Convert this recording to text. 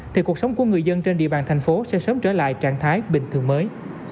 thì cuộc sống của người dân trên địa bàn thành phố sẽ sớm trở lại trạng thái bình thường mới